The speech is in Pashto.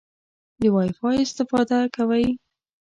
د وای فای استفاده کوئ؟